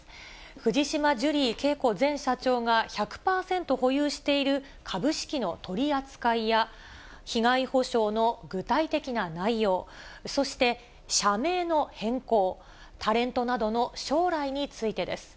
藤島ジュリー景子前社長が１００％保有している株式の取り扱いや、被害補償の具体的な内容、そして社名の変更、タレントなどの将来についてです。